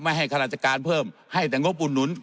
ให้ข้าราชการเพิ่มให้แต่งบอุดหนุน